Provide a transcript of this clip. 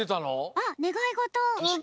あっねがいごと。